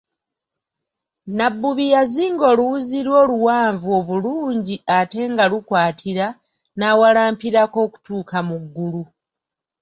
Nabbubi yazinga oluwuzi lwe oluwanvu obulungi ate nga lukwatira n'awalampirako okutuuka mu ggulu.